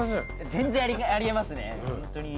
全然あり得ますね。